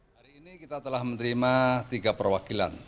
hari ini kita telah menerima tiga perwakilan